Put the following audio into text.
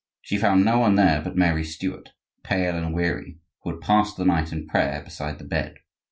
She found no one there but Mary Stuart, pale and weary, who had passed the night in prayer beside the bed.